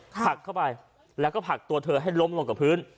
ผลักเข้าไปแล้วก็ผลักตัวเธอให้ล้มลงกับพื้น